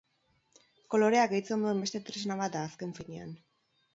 Kolorea gehitzen duen beste tresna bat da, azken finean.